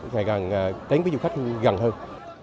ngày gần đến với du khách gần hơn